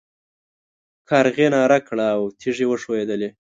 کارغې ناره کړه او تيږې وښوېدلې.